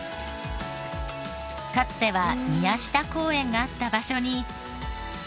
かつては宮下公園があった場所に。